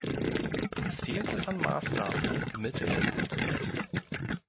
Uns fehlt es an Maßnahmen, Mitteln und Geld.